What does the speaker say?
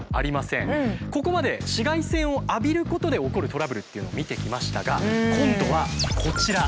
ここまで紫外線を浴びることで起こるトラブルっていうのを見てきましたが今度はこちら。